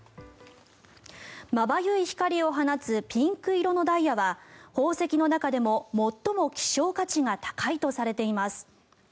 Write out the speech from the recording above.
まばゆい光を放つピンク色のダイヤは宝石の中でも最も希少価値が高いとされています。